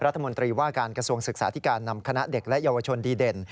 รัฐมนตรีว่าการกระทรวงศึกษาธิการนำคณะเด็กและเยาวชนดีเด่น